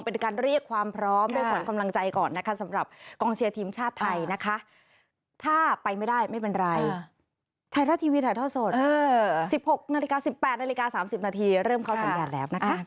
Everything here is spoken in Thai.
เป็นการเรียกความพร้อมด้วยฝนคำลังใจก่อนนะคะสำหรับกองเชียร์ทีมชาติไทยนะคะ